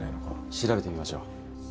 調べてみましょう。